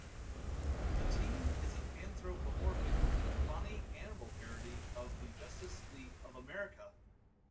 The team is an anthropomorphic funny animal parody of the Justice League of America.